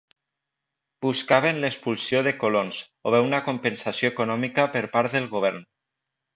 Buscaven l'expulsió de colons o bé una compensació econòmica per part del govern.